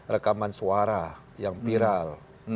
rekaman suara yang viral